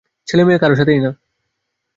ছেলে মেয়ে কারো সাথেই না।